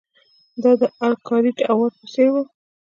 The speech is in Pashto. دا د ارکرایټ او واټ په څېر وو.